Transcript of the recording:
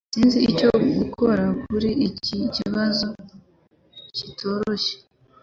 Sinzi icyo gukora kuri iki kibazo kitoroshye